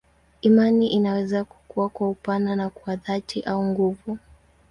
Imani inaweza kukua kwa upana na kwa dhati au nguvu.